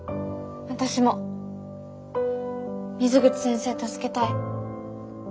私も水口先生助けたい。